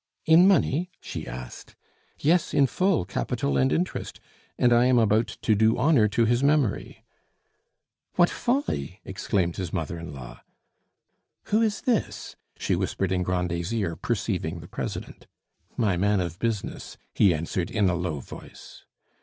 "In money?" she asked. "Yes, in full, capital and interest; and I am about to do honor to his memory " "What folly!" exclaimed his mother in law. "Who is this?" she whispered in Grandet's ear, perceiving the president. "My man of business," he answered in a low voice.